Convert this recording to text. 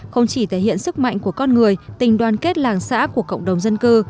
không chỉ thể hiện sức mạnh của con người tình đoàn kết làng xã của cộng đồng dân cư